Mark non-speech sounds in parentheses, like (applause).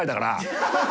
ハハハ (laughs)